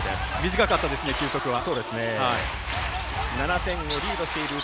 短かったですね、休息は。